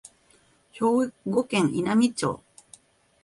兵庫県稲美町